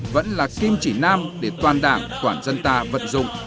vẫn là kim chỉ nam để toàn đảng toàn dân ta vận dụng